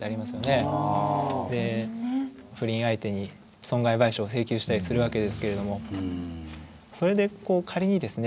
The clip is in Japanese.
不倫相手に損害賠償を請求したりするわけですけれどもそれで仮にですね